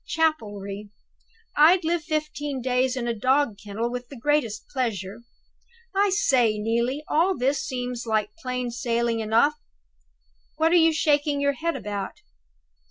Chapelry! I'd live fifteen days in a dog kennel with the greatest pleasure. I say, Neelie, all this seems like plain sailing enough. What are you shaking your head about?